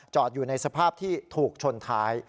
อยู่ในสภาพที่ถูกชนท้าย